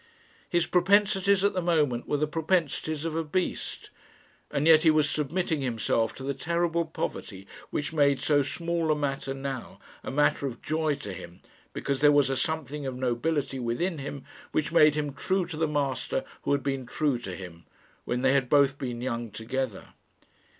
His propensities at the moment were the propensities of a beast. And yet he was submitting himself to the terrible poverty which made so small a matter now a matter of joy to him, because there was a something of nobility within him which made him true to the master who had been true to him, when they had both been young together.